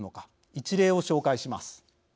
一例を紹介します。